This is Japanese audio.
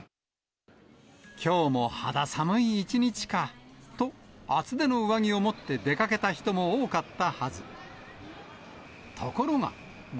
きょうも肌寒い一日かと、厚手の上着を持って出かけた人も多かったはず。